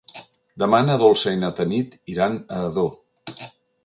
Demà na Dolça i na Tanit iran a Ador.